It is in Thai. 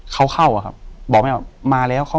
อยู่ที่แม่ศรีวิรัยิลครับ